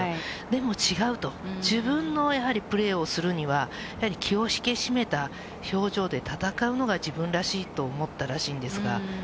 でも違うと、自分のやはりプレーをするには、やはり気を引き締めた表情で戦うのが自分らしいと思ったらしいんですが。